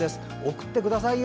送ってくださいよ！